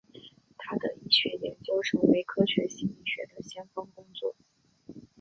他的医学研究成为科学心理学的先锋工作。